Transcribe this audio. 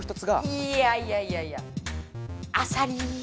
いやいやいやいやアサリ。